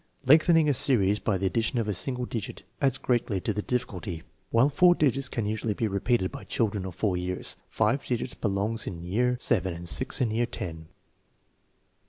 Lengthening a series by the addition of a single digit adds greatly to the difficulty. While four digits can usually be repeated by children of 4 years, five digits belong in year VII and six in yea. 1 X.